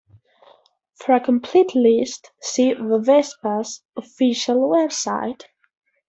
For a complete list, see Bovespa's official website.